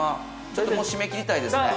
ちょっと、もう締め切りたいですね。